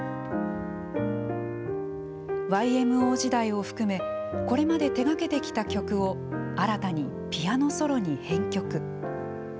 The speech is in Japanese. ＹＭＯ時代を含めこれまで手がけてきた曲を新たにピアノソロに編曲。